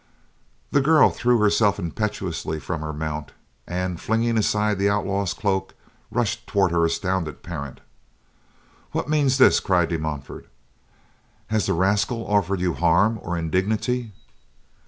The girl threw herself impetuously from her mount, and, flinging aside the outlaw's cloak, rushed toward her astounded parent. "What means this," cried De Montfort, "has the rascal offered you harm or indignity?"